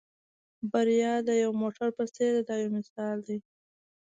بریا د یو موټر په څېر ده دا یو مثال دی.